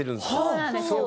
そうなんですよ。